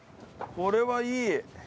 これはいい。